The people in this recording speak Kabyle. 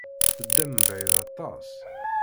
Teddam mebɛid aṭas.